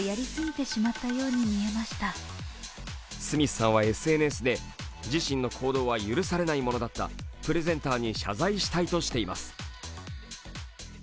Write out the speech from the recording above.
スミスさんはＳＮＳで自身の行動は許されないものだった、プレゼンターに謝罪したいとしています。